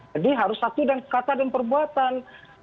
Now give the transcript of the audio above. jadi harus satu kata dan perbuatan